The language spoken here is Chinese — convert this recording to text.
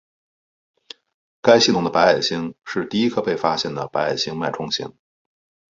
该系统的白矮星是第一颗被发现的白矮星脉冲星。